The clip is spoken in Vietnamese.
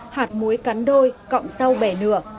hạt muối cắn đôi cọng sau bẻ nửa